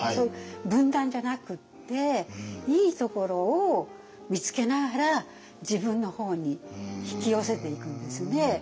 分断じゃなくっていいところを見つけながら自分の方に引き寄せていくんですね。